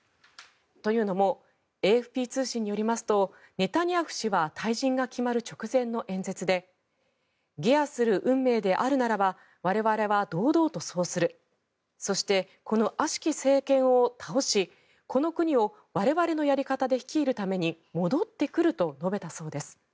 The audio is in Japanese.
というのもＡＦＰ通信によりますとネタニヤフ氏は退陣が決まる直前の演説で下野する運命であるならば我々は堂々とそうするそして、このあしき政権を倒しこの国を我々のやり方で率いるために戻ってくると述べたそうです。